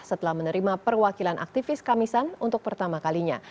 setelah menerima perwakilan aktivis kamisan untuk pertama kalinya